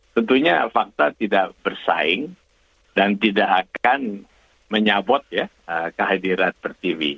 tentunya fakta tidak bersaing dan tidak akan menyapot ya kehadiran per tv